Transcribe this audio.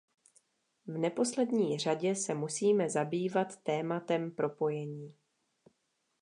V neposlední řadě se musíme zabývat tématem propojení.